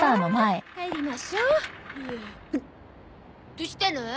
どうしたの？